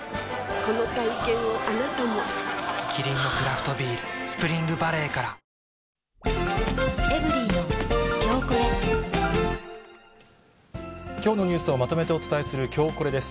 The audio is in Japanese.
この体験をあなたもキリンのクラフトビール「スプリングバレー」からきょうのニュースをまとめてお伝えする、きょうコレです。